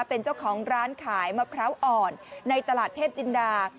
เป็นเจ้าของร้านขายมะพร้าวอ่อนในตลาดเทพจินดา